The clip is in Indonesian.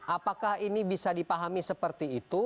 apakah ini bisa dipahami seperti itu